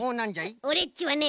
オレっちはね